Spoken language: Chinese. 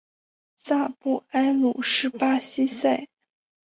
萨布埃鲁是巴西塞阿拉州的一个市镇。